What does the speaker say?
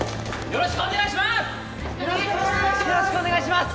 よろしくお願いします！